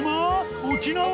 沖縄？